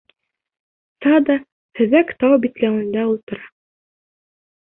Цада һөҙәк тау битләүендә ултыра.